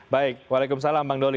baik waalaikumsalam bang doli